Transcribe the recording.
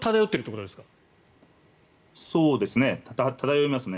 そうですね。